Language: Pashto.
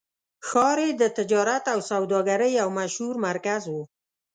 ښار یې د تجارت او سوداګرۍ یو مشهور مرکز و.